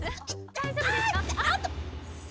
大丈夫ですか？